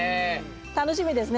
楽しみですね